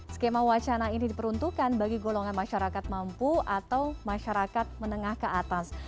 skema wacana ini diperuntukkan bagi golongan masyarakat mampu atau masyarakat menengah ke atas